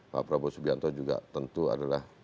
pak prabowo subianto juga tentu adalah